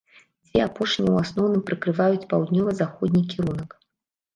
Дзве апошнія ў асноўным прыкрываюць паўднёва-заходні кірунак.